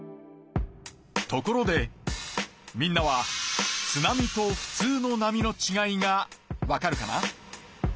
ところでみんなは「津波」と「ふつうの波」のちがいが分かるかな？